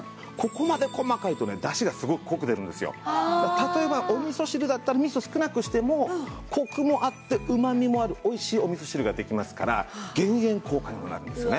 例えばおみそ汁だったらみそを少なくしてもコクもあってうまみもあるおいしいおみそ汁ができますから減塩効果にもなるんですよね。